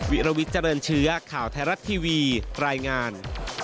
วิรวิทย์เจริญเชื้อข่าวไทยรัฐทีวีรายงาน